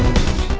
gak ada apa apa